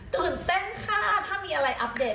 ตื่นเต้นค่ะถ้ามีอะไรอัปเดต